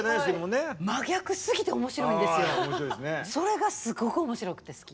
それがすごく面白くて好き。